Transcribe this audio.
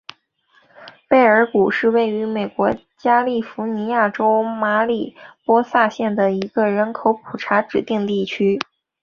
贝尔谷是位于美国加利福尼亚州马里波萨县的一个人口普查指定地区。